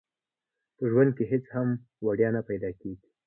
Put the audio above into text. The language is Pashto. په ژوند کې هيڅ هم وړيا نه پيدا کيږي.